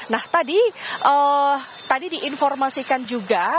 nah tadi diinformasikan juga